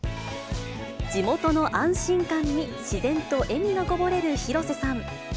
地元の安心感に自然と笑みがこぼれる広瀬さん。